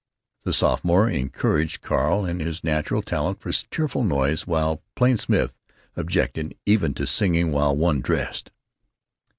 The sophomore encouraged Carl in his natural talent for cheerful noises, while Plain Smith objected even to singing while one dressed.